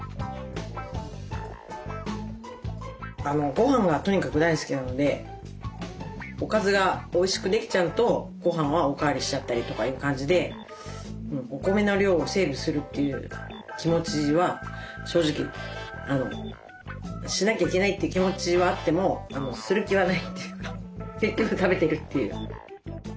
ごはんがとにかく大好きなのでおかずがおいしくできちゃうとごはんはおかわりしちゃったりとかいう感じでお米の量をセーブする気持ちは正直しなきゃいけないという気持ちはあってもする気はないというか結局食べてるっていう。